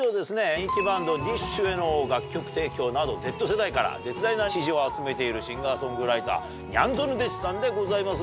人気バンドＤＩＳＨ／／への楽曲提供などＺ世代から絶大な支持を集めているシンガーソングライターにゃんぞぬデシさんでございますが。